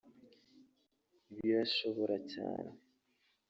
birashobora cyane”